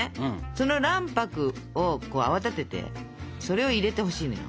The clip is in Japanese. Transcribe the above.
その卵白を泡立ててそれを入れてほしいのよ。